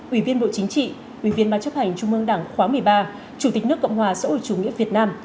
ủy viên bộ chính trị ủy viên ban chấp hành trung mương đảng khóa một mươi ba chủ tịch nước cộng hòa xã hội chủ nghĩa việt nam